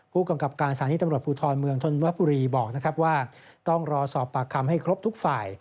คุทรเมืองทนวภุรีบอกว่าต้องรอสอบปากคำให้ครบทุกฝ่าย